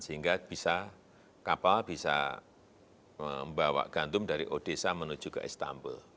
sehingga kapal bisa membawa gantung dari odessa menuju ke istanbul